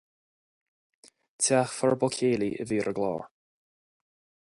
Teach Furbo Ceili a bhí ar an gclár.